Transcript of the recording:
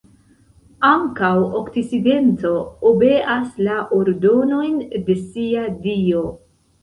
Ankaŭ okcidento obeas la ordonojn de sia dio.